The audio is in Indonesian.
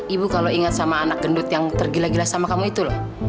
ibu kalau ingat sama anak gendut yang tergila gila sama kamu itu loh